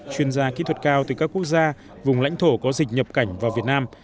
chuyên gia kỹ thuật cao từ các quốc gia vùng lãnh thổ có dịch nhập cảnh vào việt nam